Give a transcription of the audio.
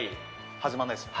始まらないですよね。